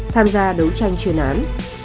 tham gia đấu tranh chuyên án